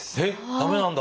駄目なんだ！